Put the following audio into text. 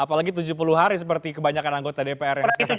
apalagi tujuh puluh hari seperti kebanyakan anggota dpr yang sekarang